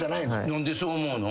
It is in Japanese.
何でそう思うの？